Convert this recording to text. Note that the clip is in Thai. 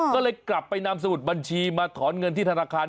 ก็เลยกลับไปนำสมุดบัญชีมาถอนเงินที่ธนาคาร